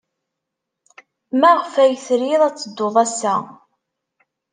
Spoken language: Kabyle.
Maɣef ay trid ad teddud ass-a?